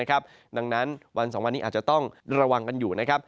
ดังนั้นวัน๒วันนี้อาจจะต้องระวังกันอยู่นะครับ